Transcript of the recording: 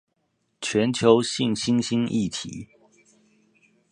全球性新興議題